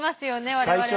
我々は。